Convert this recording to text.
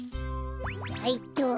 はいっと。